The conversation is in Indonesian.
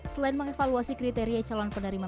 selain mengevaluasi kriteria calon penerima